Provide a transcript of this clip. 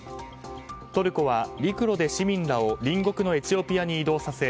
トルコは陸路で市民らを隣国のエチオピアに移動させ